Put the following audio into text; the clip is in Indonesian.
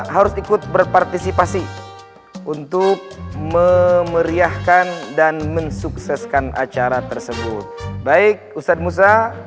harus ikut berpartisipasi untuk memeriahkan dan mensukseskan acara tersebut baik ustadz musa